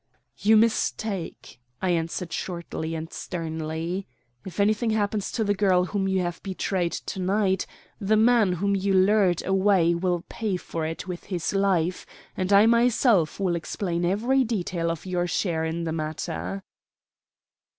"You mistake," I answered shortly and sternly. "If anything happens to the girl whom you have betrayed to night, the man whom you lured away will pay for it with his life; and I myself will explain every detail of your share in the matter."